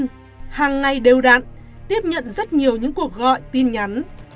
của người dân hàng ngày đều đạn tiếp nhận rất nhiều những cuộc gọi tin nhắn